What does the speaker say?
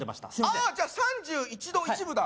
ああじゃあ３１度１分だ